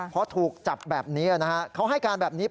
เพราะถูกจับแบบนี้นะครับเขาให้การแบบนี้